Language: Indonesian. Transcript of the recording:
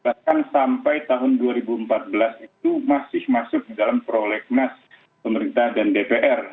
bahkan sampai tahun dua ribu empat belas itu masih masuk di dalam prolegnas pemerintah dan dpr